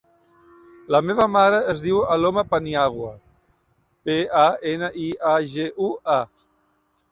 La meva mare es diu Aloma Paniagua: pe, a, ena, i, a, ge, u, a.